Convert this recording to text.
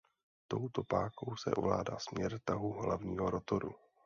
Touto pákou se ovládá směr tahu hlavního rotoru.